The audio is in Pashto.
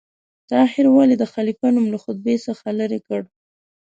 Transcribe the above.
طاهر ولې د خلیفه نوم له خطبې څخه لرې کړ؟